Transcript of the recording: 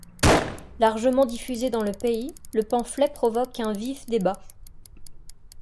Largement diffusé dans le pays, le pamphlet provoque un vif débat.